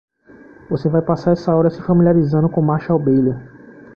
Você vai passar essa hora se familiarizando com Marshall Bailey.